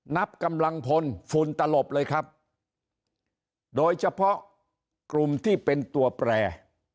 นับกำลังพลฝุ่นตลบเลยครับโดยเฉพาะกลุ่มที่เป็นตัวแปร